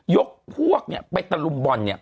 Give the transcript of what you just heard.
ยกพวกไปตระลุมบ่อน